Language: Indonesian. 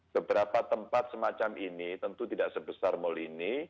beberapa tempat semacam ini tentu tidak sebesar mal ini